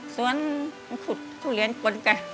สวนขุดทุเรียนปนกัน